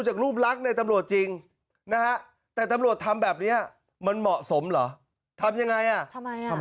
หุ้มลักในตำรวจจริงนะแต่ตำรวจทำแบบเนี้ยมันเหมาะสมหรอครับยังไงอ่ะทำ